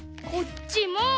こっちも。